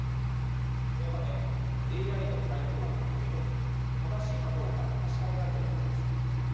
このため、ＡＩの回答を読み解き正しいかどうか確かめなければなりません。